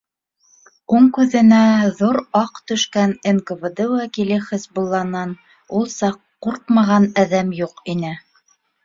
Уң күҙенә ҙур аҡ төшкән НКВД вәкиле Хисбулланан ул саҡ ҡурҡмаған әҙәм юҡ ине.